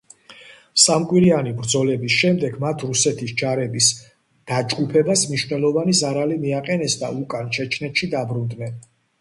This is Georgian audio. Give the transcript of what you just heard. სამკვირიანი ბრძოლების შემდეგ, მათ რუსეთის ჯარების დაჯგუფებას მნიშვნელოვანი ზარალი მიაყენეს და უკან, ჩეჩნეთში დაბრუნდნენ.